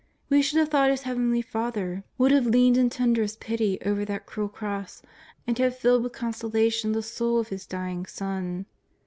We should have thought His Heavenly Father would have leaned 362 JESUS OF NAZARETH. in tenderest pity over that cruel cross and have filled with consolation the soul of His dying Son.